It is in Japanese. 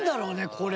これ。